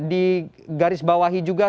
di garis bawahi juga